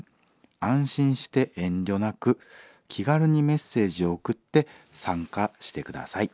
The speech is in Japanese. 安心して遠慮なく気軽にメッセージを送って参加して下さい。